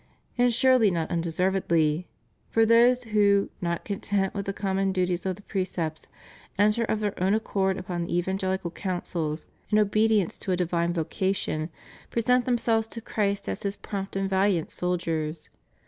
And surely not undeservedly. For those who, not content with the common duties of the precepts, enter of their own accord upon the evangelical counsels, in obedience to a divine vocation, present them selves to Christ as His prompt and valiant soldiers.